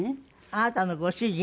あなたのご主人。